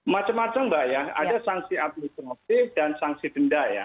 macem macem mbak ya ada sangsi administrasi dan sangsi denda ya